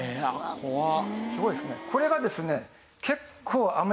怖っ。